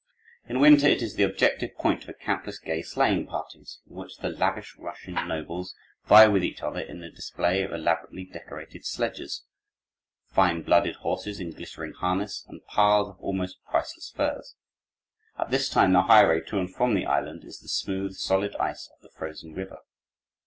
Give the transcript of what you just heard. In winter it is the objective point for countless gay sleighing parties, in which the lavish Russian nobles vie with each other in the display of elaborately decorated sledges, fine blooded horses in glittering harness, and piles of almost priceless furs. At this time the highway to and from the island is the smooth, solid ice of the frozen river.